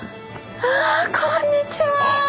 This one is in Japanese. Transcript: あこんにちは！